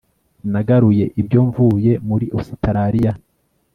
nagaruye ibyo mvuye muri ositaraliya